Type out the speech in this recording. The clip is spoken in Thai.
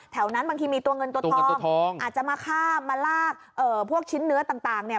แถวนั้นบางทีมีตัวเงินตัวทองอาจจะมาฆ่ามาลากพวกชิ้นเนื้อต่างเนี่ย